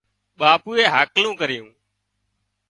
ٻاپوئي هاڪلون ڪريون